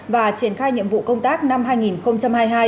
và triển khai nhiệm vụ công tác năm hai nghìn hai mươi hai